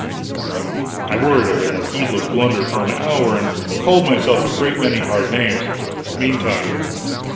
I worried over that heedless blunder for an hour, and called myself a great many hard names, meantime.